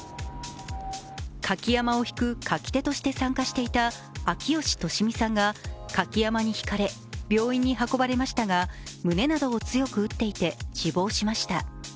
舁き山笠を引く舁き手として参加していた秋吉敏美さんが舁き山笠にひかれ病院に運ばれましたが胸などを強く打っていて、死亡しました。